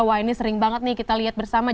wah ini sering banget nih kita lihat bersama